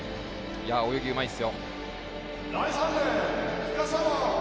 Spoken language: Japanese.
泳ぎ、うまいっすよ。